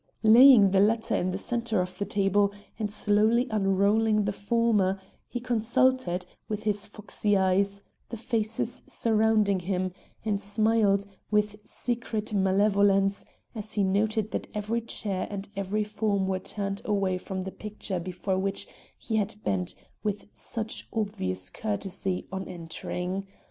Laying the latter in the center of the table and slowly unrolling the former, he consulted, with his foxy eyes, the faces surrounding him, and smiled with secret malevolence, as he noted that every chair and every form were turned away from the picture before which he had bent with such obvious courtesy, on entering.